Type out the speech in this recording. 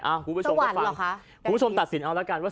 คุณผู้ชมก็ฟังคุณผู้ชมตัดสินเอาแล้วกันว่า